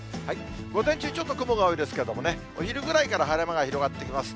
午前中、ちょっと雲が多いですけどね、お昼ぐらいから晴れ間が広がってきます。